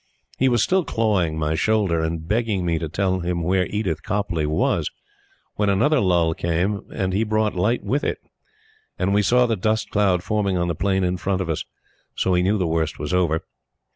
He was still clawing my shoulder and begging me to tell him where Edith Copleigh was, when another lull came and brought light with it, and we saw the dust cloud forming on the plain in front of us. So we knew the worst was over.